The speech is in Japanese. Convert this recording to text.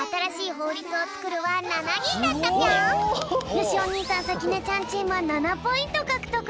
よしお兄さんさきねちゃんチームは７ポイントかくとくだよ！